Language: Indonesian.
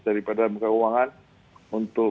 daripada lembaga keuangan untuk